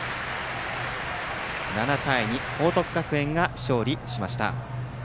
７対２、報徳学園が勝利しました。